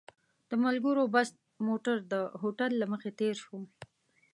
د ملګرو بس موټر د هوټل له مخې تېر شو.